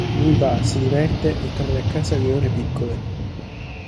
Lui va, si diverte e torna a casa alle ore piccole.